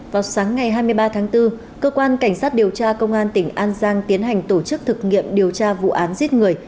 vào sáng ngày hai mươi ba tháng bốn cơ quan cảnh sát điều tra công an tỉnh an giang tiến hành tổ chức thực nghiệm điều tra vụ án giết người